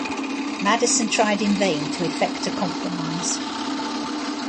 Madison tried in vain to effect a compromise.